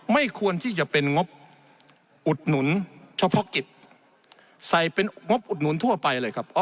ไม่ควรที่จะเป็นงบอุดหนุนเฉพาะกิจใส่เป็นงบอุดหนุนทั่วไปเลยครับ